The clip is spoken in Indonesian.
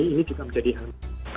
ini juga menjadi hal